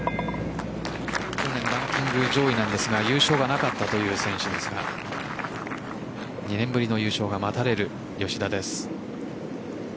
去年のランキング上位なんですが優勝はなかったという選手ですが２年ぶりの優勝が待たれる吉田です。